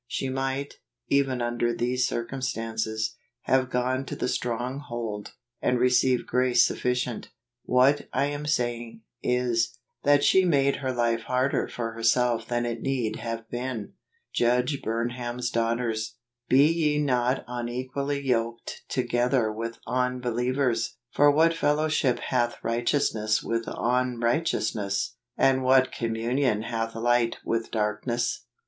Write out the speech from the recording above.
She might, even under these circumstances, have gone to the Stronghold, and received grace suffi¬ cient. What I am saying, is, that she made life harder for herself than it need have been. Judge Burnham's Daughters. " Be ye not unequally yoked together with unbe¬ lievers: for what fellowship hath righteousness with unrighteousness ? and what communion hath light with darkness